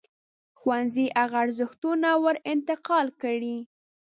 ښوونځی هغه ارزښتونه ور انتقال کړي.